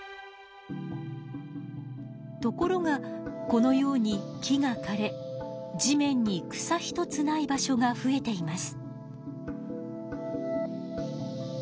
ところがこのように木がかれ地面に草一つない場所が増えています。